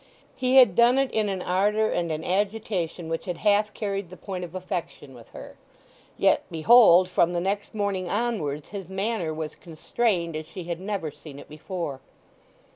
He had done it in an ardour and an agitation which had half carried the point of affection with her; yet, behold, from the next morning onwards his manner was constrained as she had never seen it before.